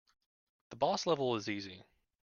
The boss level is easy.